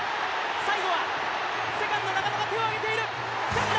最後はセカンド、が手を上げている。